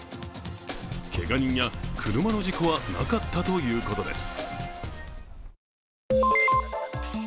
けが人や車の事故はなかったということです。